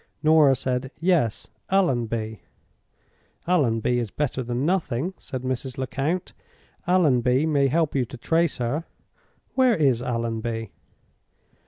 "Norah said, 'Yes; Allonby.' "'Allonby is better than nothing,' said Mrs. Lecount. 'Allonby may help you to trace her. Where is Allonby?